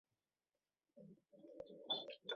体现党中央最新精神